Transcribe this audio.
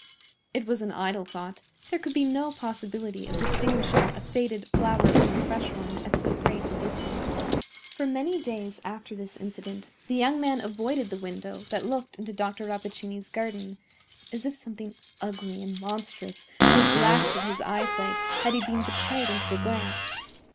It was an idle thought; there could be no possibility of distinguishing a faded flower from a fresh one at so great a distance. For many days after this incident the young man avoided the window that looked into Dr. Rappaccini's garden, as if something ugly and monstrous would have blasted his eyesight had he been betrayed into a glance.